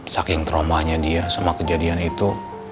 saking traumanya dia semua kejadian itu